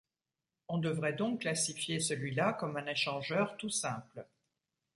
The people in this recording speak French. On devrait donc classifier celui-là comme un échangeur tout simple.